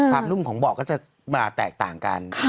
นุ่มของเบาะก็จะแตกต่างกัน